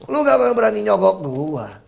lu gak berani nyogok gue